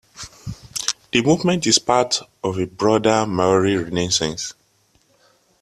The movement is part of a broader Māori Renaissance.